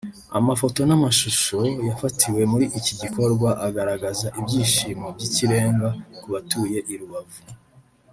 Amafoto n’amashusho yafatiwe muri iki gikorwa agaragaza ibyishimo by’ikirenga kubatuye I Rubavu